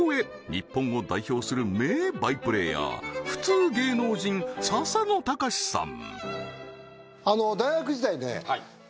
日本を代表する名バイプレイヤー普通芸能人笹野高史さん